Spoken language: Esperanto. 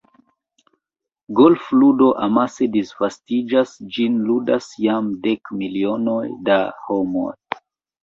Golfludo amase disvastiĝas – ĝin ludas jam dek milionoj da homoj.